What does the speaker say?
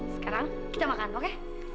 sekarang kita makan oke